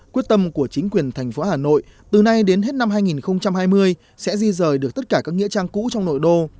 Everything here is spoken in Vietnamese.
quyết tâm của chính quyền thành phố hà nội từ nay đến hết năm hai nghìn hai mươi sẽ di rời được tất cả các nghĩa trang cũ trong nội đô